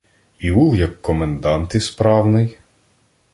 Іул як комендант ісправний